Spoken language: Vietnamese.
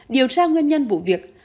điều tra nguyên nhân vụ việc